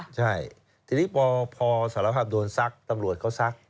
ใช่ทีนี้พอสารภาพโดนซักตำรวจเขาซัก